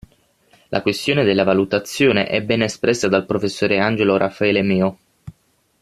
La questione della valutazione è bene espressa dal Professor Angelo Raffaele Meo.